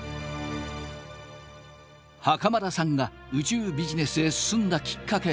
袴田さんが宇宙ビジネスへ進んだきっかけ